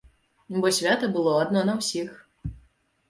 Бо свята было адно на ўсіх.